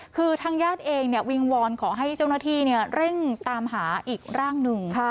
คือทางญาติเองวิงวอนขอให้เจ้าหน้าที่เร่งตามหาอีกร่างหนึ่ง